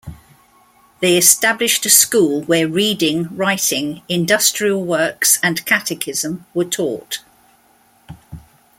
They established a school where reading, writing, industrial works, and catechism were taught.